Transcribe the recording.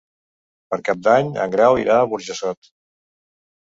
Per Cap d'Any en Grau irà a Burjassot.